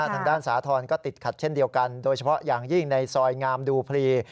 ทางด้านสาธรณ์ก็ติดขัดเช่นเดียวกันโดยเฉพาะอย่างยิ่งในซอยงามดูพลี